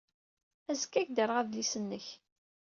Azekka ad ak-d-rreɣ adlis-nnek.